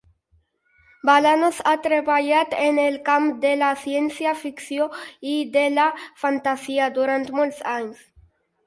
Balanos ha treballat en el camp de la ciència ficció i de la fantasia durant molts anys.